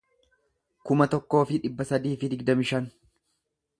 kuma tokkoo fi dhibba sadii fi digdamii shan